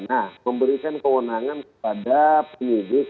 nah memberikan kewenangan kepada penyidik